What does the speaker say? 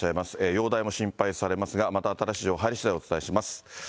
容体も心配されますが、また新しい情報が入りしだいお伝えします。